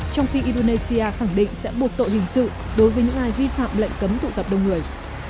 trong khi indonesia khẳng định sẽ buộc tội hình sự đối với những ai vi phạm lệnh cấm tụ tập đông người